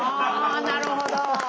あなるほど。